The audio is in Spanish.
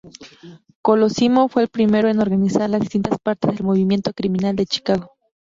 Colosimo fue el primero en organizar las distintas partes del movimiento criminal de Chicago.